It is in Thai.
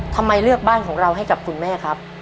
ทำไมเลือกบ้านของเราให้กับคุณแม่ครับ